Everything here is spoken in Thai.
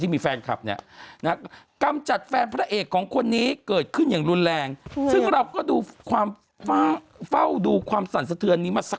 มันถามว่าเรียกชื่อ